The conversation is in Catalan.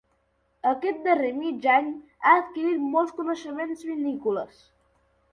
Aquest darrer mig any ha adquirit molts coneixements vinícoles.